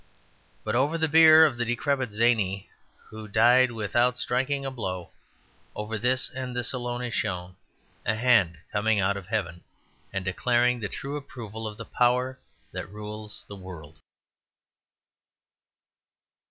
But over the bier of the decrepit zany, who died without striking a blow, over this and this alone, is shown a hand coming out of heaven, and declaring the true approval of the power that rules the world.